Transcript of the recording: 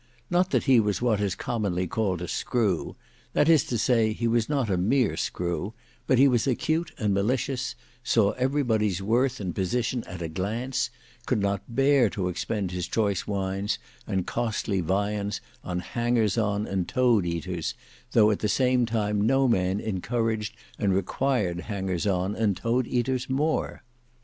Not that he was what is commonly called a Screw; that is to say he was not a mere screw; but he was acute and malicious; saw everybody's worth and position at a glance; could not bear to expend his choice wines and costly viands on hangers on and toad eaters, though at the same time no man encouraged and required hangers on and toad eaters more.